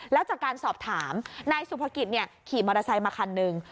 แล้วจากการสอบถามนายสุภกิจขี่มอเตอร์ไซค์มาคันหนึ่ง